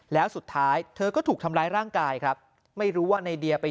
แล้วสุดท้ายเธอก็ถูกทำร้ายร่างกายครับไม่รู้ว่าในเดียไป